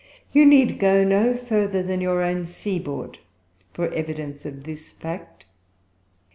You need go no further than your own sea board for evidence of this fact.